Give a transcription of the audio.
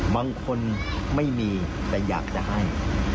บางคนไม่มีแต่อยากจะให้